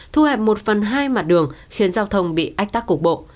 thu hẹp một phần hai mặt đường khiến giao thông bị ách tắc cục bộ